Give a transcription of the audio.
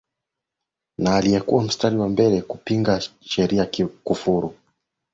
na aliyekuwa mstari wa mbele kupinga sheria kufuru